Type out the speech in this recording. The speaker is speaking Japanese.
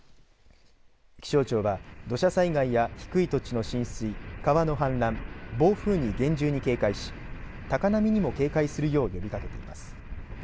気象庁は土砂災害や低い土地の浸水川の氾濫、暴風に厳重に警戒し高波にも警戒するよう呼びかけています。